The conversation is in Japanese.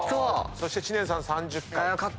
そして知念さん３０回。